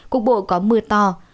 cục bộ có mưa to